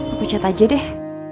aku cat aja deh